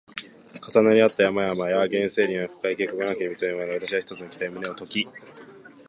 重なり合った山々や原生林や深い渓谷の秋に見とれながらも、わたしは一つの期待に胸をとき